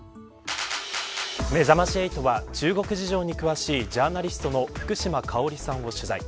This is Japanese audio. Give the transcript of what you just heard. めざまし８は中国事情に詳しいジャーナリストの福島香織さんを取材。